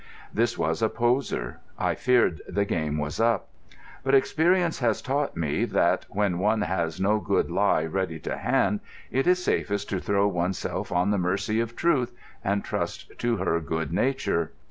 This was a poser. I feared the game was up. But experience has taught me that when one has no good lie ready to hand it is safest to throw oneself on the mercy of Truth and trust to her good nature.